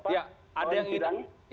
ya ada yang ingin